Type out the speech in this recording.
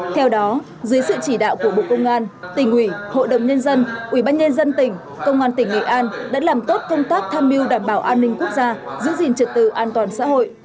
theo đó dưới sự chỉ đạo của bộ công an tỉnh ủy hội đồng nhân dân ubnd tỉnh công an tỉnh nghệ an đã làm tốt công tác tham mưu đảm bảo an ninh quốc gia giữ gìn trật tự an toàn xã hội